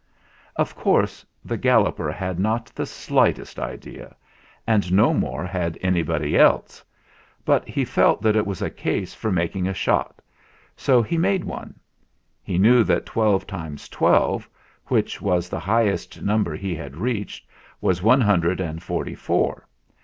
Of course the Galloper had not the slightest idea, and no more had anybody else ; but he felt that it was a case for making a shot, so he made one. He knew that twelve times twelve, which was the highest number he had reached, was one hundred and forty four.